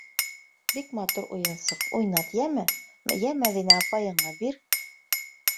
— Бик матур уйынсыҡ, уйнат, йәме, йә Мәҙинә апайыңа бир.